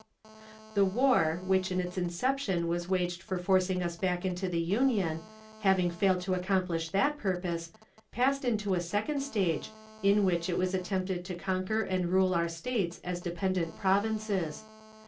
'" The war, which in its inception was waged for forcing us back into the Union, having failed to accomplish that purpose, passed into a second stage, in which it was attempted to conquer and rule our States as dependent provinces.